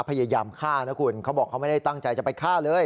พยายามฆ่านะคุณเขาบอกเขาไม่ได้ตั้งใจจะไปฆ่าเลย